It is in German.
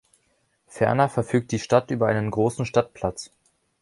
Ferner verfügt die Stadt über einen großen Stadtplatz.